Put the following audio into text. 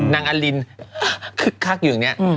นางอลินคึกคักอยู่อย่างนี้